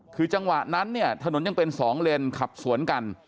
คือจังหวะนั้นเนี่ยถนนยังเป็นสองเลนขับสวนกัน